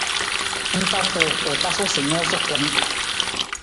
Ng ta tuu, u tasu sa nuusa kun.